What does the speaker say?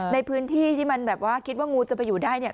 ในพื้นที่ที่มันแบบว่าคิดว่างูจะไปอยู่ได้เนี่ย